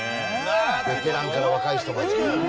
ベテランから若い人まで。